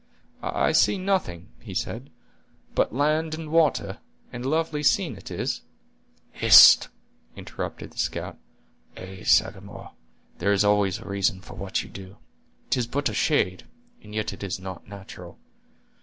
"I see nothing," he said, "but land and water; and a lovely scene it is." "Hist!" interrupted the scout. "Ay, Sagamore, there is always a reason for what you do. 'Tis but a shade, and yet it is not natural.